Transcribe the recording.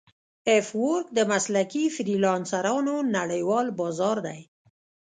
افورک د مسلکي فریلانسرانو نړیوال بازار دی.